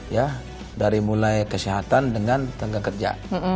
ya dari mulai kesehatan dengan tenaga kerja